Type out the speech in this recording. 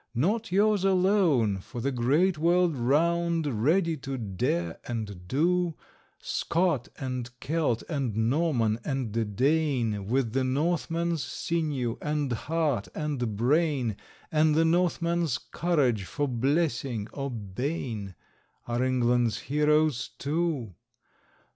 Not yours alone, for the great world round Ready to dare and do, Scot and Celt and Norman and Dane, With the Northman's sinew and heart and brain, And the Northman's courage for blessing or bane Are England's heroes too.